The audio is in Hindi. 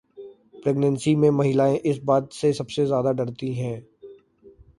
प्रेग्नेंसी में महिलाएं इस बात से सबसे ज्यादा डरती हैं...